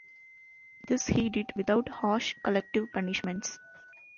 This he did without harsh collective punishments.